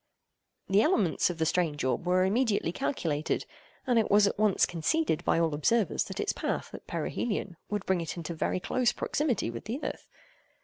The elements of the strange orb were immediately calculated, and it was at once conceded by all observers, that its path, at perihelion, would bring it into very close proximity with the earth.